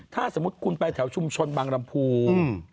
ถ้าสมมุติคุณไปแถวชุมชนบางลำพู